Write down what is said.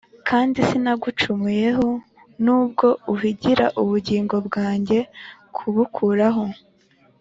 kandi sinagucumuyeho nubwo uhigira ubugingo bwanjye kubukuraho.